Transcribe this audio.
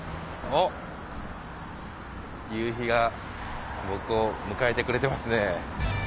おっ夕日が僕を迎えてくれてますね。